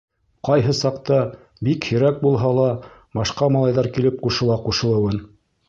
Ҡайһы саҡта, бик һирәк булһа ла башҡа малайҙар килеп ҡушыла ҡушылыуын.